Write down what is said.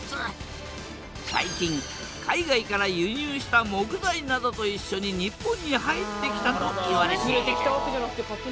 最近海外から輸入した木材などといっしょに日本に入ってきたといわれている。